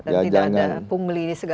dan tidak ada pembeli segala macam